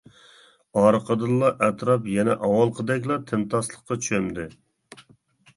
ئارقىدىنلا ئەتراپ يەنە ئاۋۋالقىدەكلا تىمتاسلىققا چۆمدى.